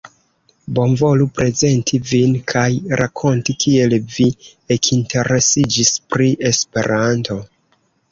Bonvolu prezenti vin kaj rakonti kiel vi ekinteresiĝis pri Esperanto.